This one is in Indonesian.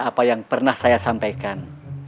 apa yang pernah saya sampaikan